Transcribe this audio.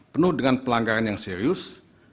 penuh dengan pelanggaran yang serius